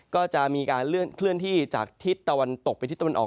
ก็จะมีการเคลื่อนที่จากทิศตะวันตกไปทิศตะวันออก